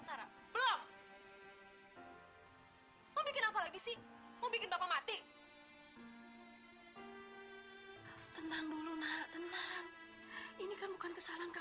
sampai jumpa di video selanjutnya